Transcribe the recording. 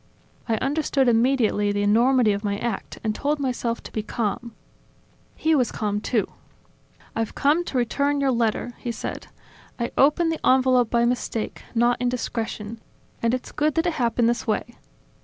I understood immediately the enormity of my act and told myself to be calm. He was calm, too. "I've come to return your letter," he said. "I opened the envelope by mistake, not indiscretion; and it's good that it happened this way.